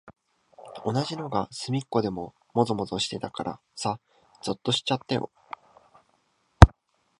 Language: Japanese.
同じのがすみっこでもぞもぞしてたからさ、ぞっとしちゃったよ。